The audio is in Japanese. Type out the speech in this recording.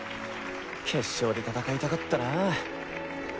決勝で戦いたかったなぁ。